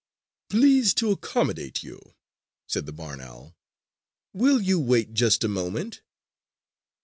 "Pleased to accommodate you," said the barn owl. "Will you wait just a moment?"